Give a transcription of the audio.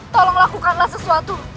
tolong lakukanlah sesuatu